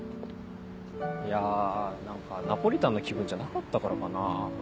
いや何かナポリタンの気分じゃなかったからかな。